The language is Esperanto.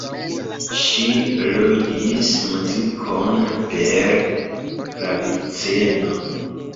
Ŝi ludis muzikon per klaviceno.